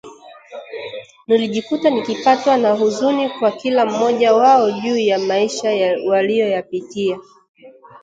nilijikuta nikipatwa na huzuni kwa kila mmoja wao juu ya maisha waliyoyapitia